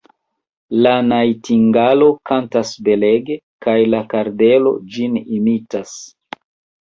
La najtingalo kantas belege, kaj la kardelo ĝin imitas.